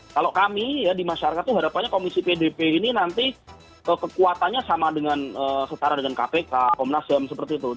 kalau kami ya di masyarakat itu harapannya komisi pdp ini nanti kekuatannya sama dengan setara dengan kpk komnas ham seperti itu